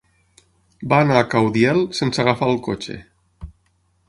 Va anar a Caudiel sense agafar el cotxe.